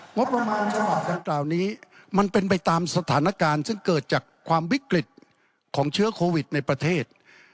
งบประมาณฉบับดังกล่าวนี้มันเป็นไปตามสถานการณ์ซึ่งเกิดจากความวิกฤตของเชื้อโควิดในประเทศ